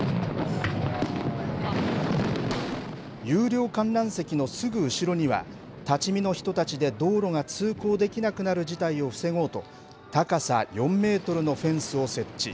有料観覧席のすぐ後ろには、立ち見の人たちで道路が通行できなくなる事態を防ごうと、高さ４メートルのフェンスを設置。